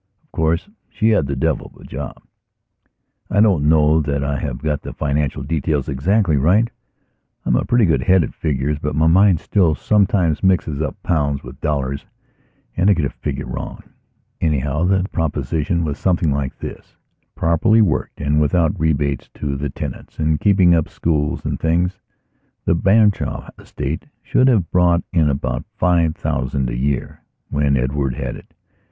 Of course she had the devil of a job. I don't know that I have got the financial details exactly right. I am a pretty good head at figures, but my mind, still, sometimes mixes up pounds with dollars and I get a figure wrong. Anyhow, the proposition was something like this: Properly worked and without rebates to the tenants and keeping up schools and things, the Branshaw estate should have brought in about five thousand a year when Edward had it.